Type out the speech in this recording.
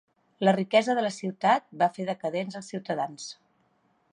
La riquesa de la ciutat va fer decadents als ciutadans.